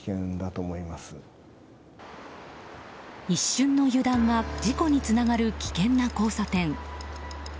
一瞬の油断が事故につながる危険な交差点。